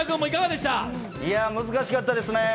難しかったですね。